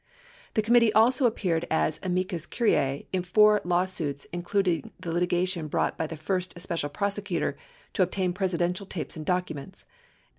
The committee also appeared as Amicus Curiae in four lawsuits including the litigation brought by the first Special Prosecutor to ob tain Presidential tapes and documents.